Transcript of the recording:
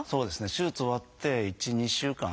手術終わって１２週間ですね。